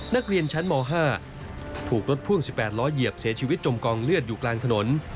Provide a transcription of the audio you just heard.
นักเรียนชั้นม๕ถูกรถพ่วง๑๘ล้อเหยียบเสียชีวิตจมกองเลือดอยู่กลางถนน